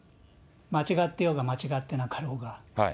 間違ってようが間違ってなかろうが。